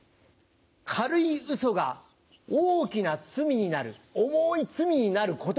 軽い嘘が大きな罪になる重い罪になることがあります。